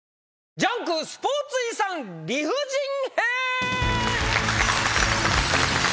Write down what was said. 『ジャンク』スポーツ遺産理不尽編！